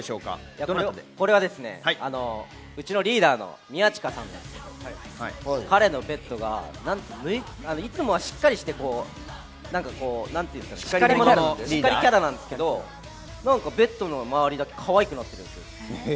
これはですね、うちのリーダーの宮近さんなんですけど、彼のベッドがなんと、いつもはしっかりして、しっかり者のしっかりキャラなんですけど、ベッドの周りだけ、かわいくなってるんですよ。